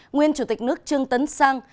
nguyên chủ tịch nước trương tấn sang